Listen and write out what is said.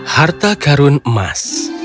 harta karun emas